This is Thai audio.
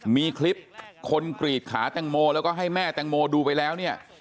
มีคลิปคนกรีดขาแตงโมแล้วก็ให้แม่แตงโมดูไปแล้วเนี่ย